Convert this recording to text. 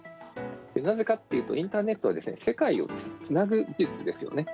なぜかっていうとインターネットは世界をつなぐ技術ですよね。